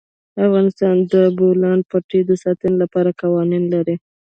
افغانستان د د بولان پټي د ساتنې لپاره قوانین لري.